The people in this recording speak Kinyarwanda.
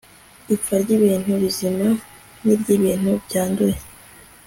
ipfa ryibintu bizima niryibintu byanduye